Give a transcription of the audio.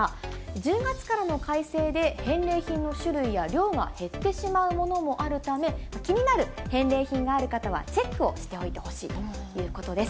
１０月からの改正で返礼品の種類や量が減ってしまうものもあるため、気になる返礼品がある方はチェックをしておいてほしいということです。